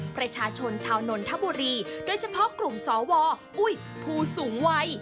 ประชาชนชาวนนทบุรีโดยเฉพาะกลุ่มสวอุ้ยผู้สูงวัย